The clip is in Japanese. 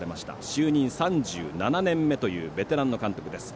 就任３７年目というベテランの監督です。